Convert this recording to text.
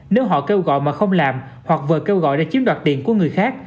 nếu họ kêu gọi mà không làm hoặc vừa kêu gọi để chiếm đoạt tiền của người khác